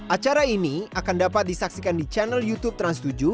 acara ini akan dapat disaksikan di channel youtube trans tujuh